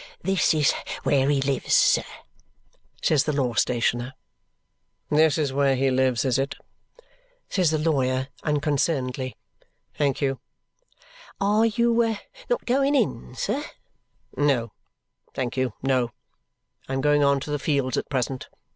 "This is where he lives, sir," says the law stationer. "This is where he lives, is it?" says the lawyer unconcernedly. "Thank you." "Are you not going in, sir?" "No, thank you, no; I am going on to the Fields at present.